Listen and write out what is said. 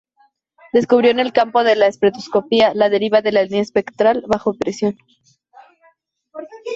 Descubrió en el campo de la espectroscopia la deriva de línea espectral bajo presión.